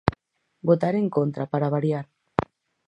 Votar en contra, para variar.